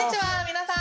皆さん。